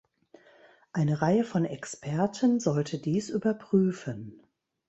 Eine Reihe von Experten sollte dies überprüfen.